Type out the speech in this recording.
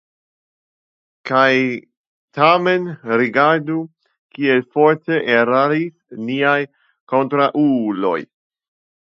Kaj tamen rigardu, kiel forte eraris niaj kontraŭuloj!